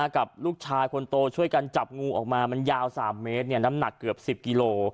กับลูกชายคนโตช่วยกันจับงูออกมามันยาว๓เมตรน้ำหนักเกือบ๑๐กิโล